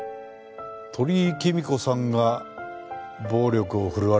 鳥居貴美子さんが暴力を振るわれていた事も？